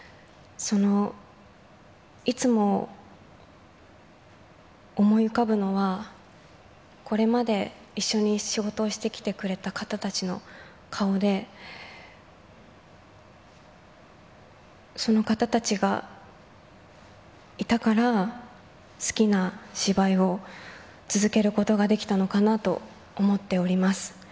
その、いつも思い浮かぶのは、これまで一緒に仕事をしてきてくれた方たちの顔で、その方たちがいたから、好きな芝居を続けることができたのかなと思っております。